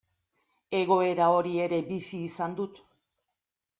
Egoera hori ere bizi izan dut.